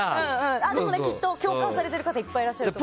けど、きっと共感されてる人いっぱいいらっしゃると思う。